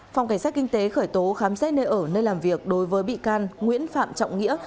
phòng cảnh sát kinh tế khởi tố khám xét nơi ở nơi làm việc đối với bị can nguyễn phạm trọng nghĩa